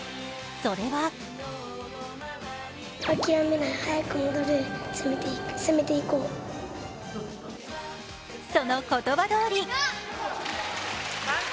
それはその言葉どおり。